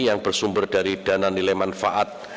yang bersumber dari dana nilai manfaat